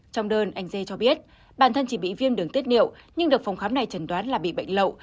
trong đơn anh dê cho biết bản thân chỉ bị viêm đường tiết niệu nhưng được phòng khám này trần đoán là bị bệnh lậu